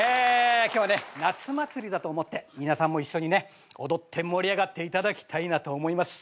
今日はね夏祭りだと思って皆さんも一緒にね踊って盛り上がっていただきたいなと思います。